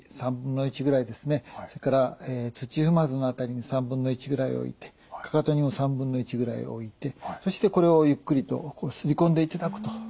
それから土踏まずの辺りに３分の１ぐらい置いてかかとにも３分の１ぐらい置いてそしてこれをゆっくりと擦り込んでいただくというふうな形になります。